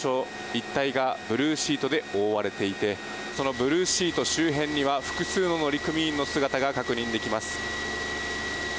一帯がブルーシートで覆われていてそのブルーシート周辺には複数の乗組員の姿が確認できます。